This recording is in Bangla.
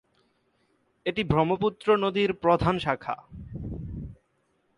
এটি ব্রহ্মপুত্র নদীর প্রধান শাখা।